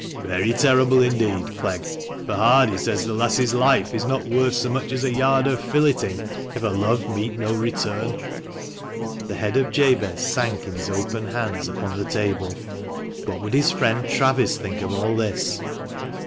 " Very terrible indeed, Clegg, for Hardie says the lass's life is not worth so much as a yard of filleting if her love meet no return." The head of Jabez sank in his open hands upon the table. What would his friend Travis think of all this